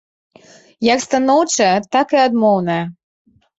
Як станоўчая, так і адмоўная.